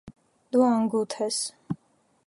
դու անգութ ես: